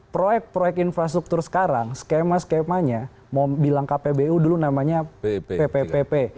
proyek proyek infrastruktur sekarang skema skemanya mau bilang kpbu dulu namanya pppp